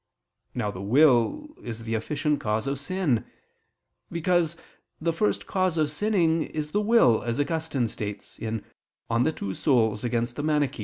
Now the will is the efficient cause of sin: because the first cause of sinning is the will, as Augustine states (De Duabus Anim.